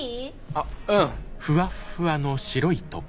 あっうん。